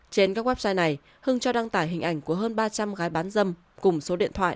trên các website này hưng cho đăng tải hình ảnh của hơn ba trăm linh gái bán dâm cùng số điện thoại